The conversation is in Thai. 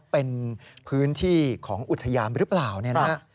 เป็นพื้นที่ของอุทยานหรือเปล่าเนี่ยนะฮะ